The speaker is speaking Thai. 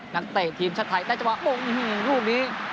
เตะทีมชาติไทยได้จังหวะโอ้โหลูกนี้